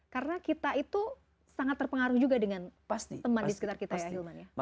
karena kita itu sangat terpengaruh juga dengan teman di sekitar kita ya hilman